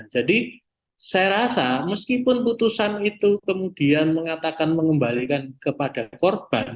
jadi saya rasa meskipun putusan itu kemudian mengatakan mengembalikan kepada korban